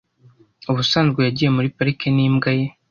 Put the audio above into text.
Ubusanzwe yagiye muri parike n'imbwa ye .